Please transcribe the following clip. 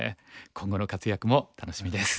今後の活躍も楽しみです。